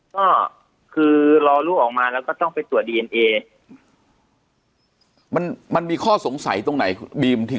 ก็คือรอลูกออกมาแล้วก็ต้องไปตรวจดีเอ็นเอมันมันมีข้อสงสัยตรงไหนบีมที่